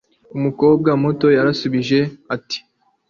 Umukobwa muto yarashubije ati